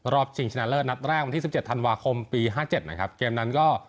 ชิงชนะเลิศนัดแรกวันที่สิบเจ็ดธันวาคมปีห้าเจ็ดนะครับเกมนั้นก็